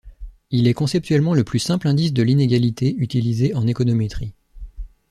Il est conceptuellement le plus simple indice de l'inégalité utilisés en économétrie.